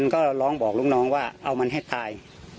ก็ร้องบอกลูกน้องว่าเอามันให้ตาย